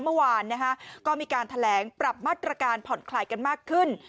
เมื่อวานก็มีการแถลงปรับมาตรการผ่อนคลายกันมากขึ้น